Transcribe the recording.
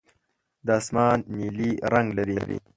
دا اسمان نیلي رنګ لري.